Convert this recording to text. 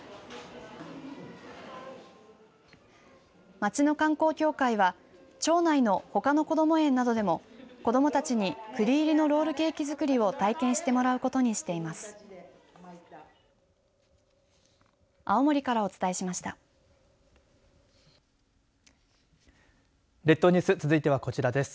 町の観光協会は町内の、ほかのこども園などでも子どもたちにくり入りのロールケーキ作りを体験してもらうことにしています。